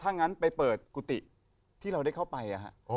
ถ้างั้นไปเปิดกุฏิที่เราได้เข้าไป